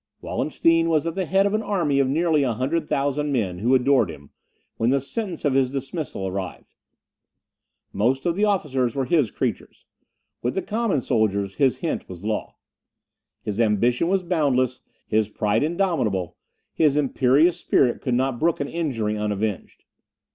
Wallenstein was at the head of an army of nearly a hundred thousand men who adored him, when the sentence of his dismissal arrived. Most of the officers were his creatures: with the common soldiers his hint was law. His ambition was boundless, his pride indomitable, his imperious spirit could not brook an injury unavenged.